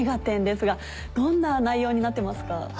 ですがどんな内容になってますか？